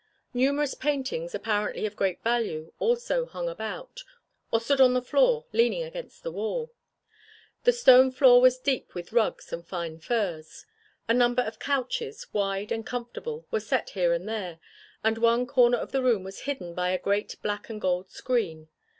Numerous paintings apparently of great value also hung about, or stood on the floor leaning against the wall. The stone floor was deep with rugs and fine furs. A number of couches, wide and comfortable, were set here and there, and one corner of the room was hidden by a great black and gold screen.